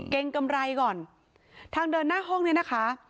เกรงกำไรก่อนทางเดินหน้าห้องเนี่ยนะคะ